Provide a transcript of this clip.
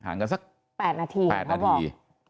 ห่างกัน๘นาที